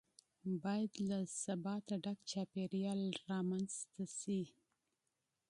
باید له ثباته ډک چاپیریال رامنځته شي.